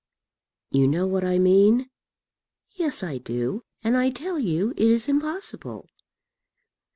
"You know what I mean?" "Yes, I do; and I tell you it is impossible."